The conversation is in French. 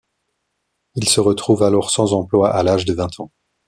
Il se retrouve alors sans emploi à l'âge de vingt ans.